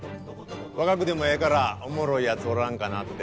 若くてもええからおもろい奴おらんかなって。